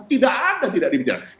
tidak ada tidak dibicarakan